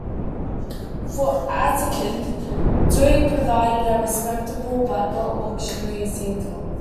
For Atkin, touring provided a respectable but not luxurious income.